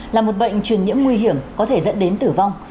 là một bệnh truyền nhiễm nguy hiểm có thể dẫn đến tử vong